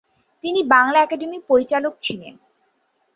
তিনি বাংলা একাডেমির পরিচালক ছিলেন।